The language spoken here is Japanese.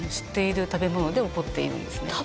で起こっているんですね。